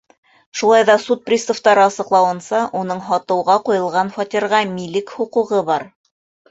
Шулай ҙа, суд приставтары асыҡлауынса, уның һатыуға ҡуйылған фатирға милек хоҡуғы бар.